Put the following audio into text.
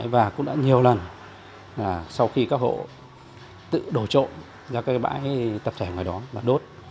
và cũng đã nhiều lần sau khi các hộ tự đổ trộn ra cái bãi tập thể ngoài đó và đốt